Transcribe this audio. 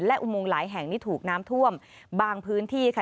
และอุโมงหลายแห่งนี่ถูกน้ำท่วมบางพื้นที่ค่ะ